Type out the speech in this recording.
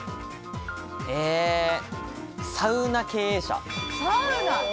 サウナ経営者。